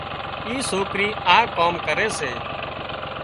اي سوڪرِي آ ڪام ڪري سي